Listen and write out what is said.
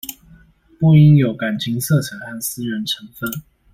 不應有感情色彩和私人成分